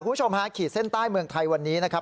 คุณผู้ชมฮะขีดเส้นใต้เมืองไทยวันนี้นะครับ